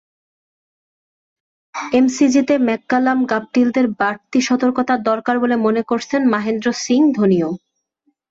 এমসিজিতে ম্যাককালাম-গাপটিলদের বাড়তি সতর্কতার দরকার বলে মনে করছেন মহেন্দ্র সিং ধোনিও।